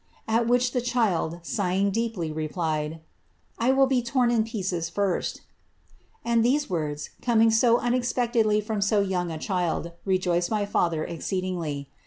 which the child, sighing deeply, replied, ^ I will be torn in pieces And these words, coming so unexpectedly from so young a chih joiced my father exceedingly.